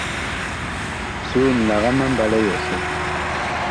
Soon, lagaa ma mbalɛ yɔsɛ.